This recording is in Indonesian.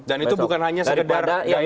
dan itu bukan hanya sekedar gaya gaya